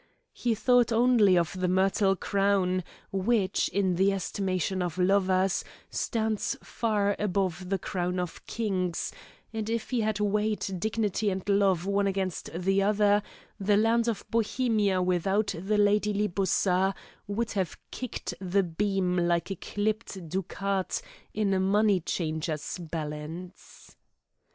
He thought only of the myrtle crown, which, in the estimation of lovers, stands far above the crown of kings, and if he had weighed dignity and love one against the other, the land of Bohemia without the Lady Libussa would have kicked the beam like a clipped ducat in a money changer's balance.